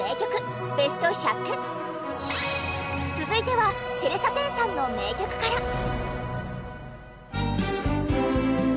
続いてはテレサ・テンさんの名曲から。